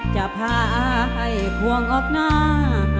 จะพาให้พวงออกหน้า